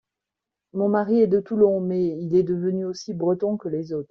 Mon mari est de Toulon, mais il est devenu aussi breton que les autres.